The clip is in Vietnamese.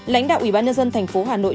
lãnh đạo ủy ban nhân dân thành phố hà nội